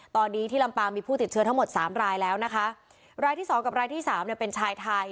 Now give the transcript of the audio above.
ตอนนี้ที่ลำปางมีผู้ติดเชื้อทั้งหมดสามรายแล้วนะคะรายที่สองกับรายที่สามเนี่ยเป็นชายไทย